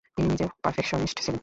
তিনি নিজে পারফেকশনিস্ট ছিলেন।